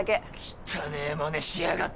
汚ねぇまねしやがって。